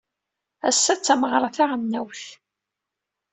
Ass-a d tameɣra taɣelnawt.